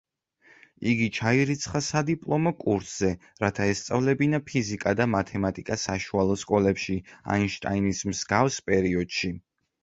იგი ჩაირიცხა სადიპლომო კურსზე, რათა ესწავლებინა ფიზიკა და მათემატიკა საშუალო სკოლებში, აინშტაინის მსგავს პერიოდში.